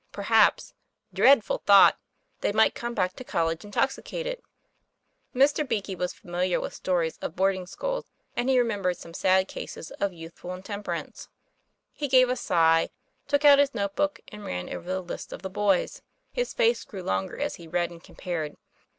Perhaps dreadful thought! they might come back to college intoxicated. Mr. Beakey was familiar with stories of boarding schools, and he remembered some sad cases of youth ful intemperance. He gave a sigh, took out his note book, and ran over the list of the boys. His face grew longer as he read and compared.